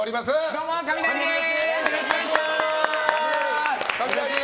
どうも、カミナリです。